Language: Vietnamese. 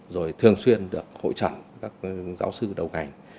rồi thường xuyên được hội trần các giáo sư đầu ngành